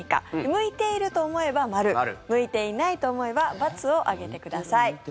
向いていると思えば○向いていないと思えば×を上げてください。